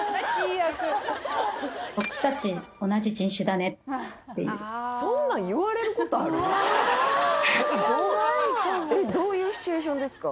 「僕達同じ人種だね」っていうどういうシチュエーションですか？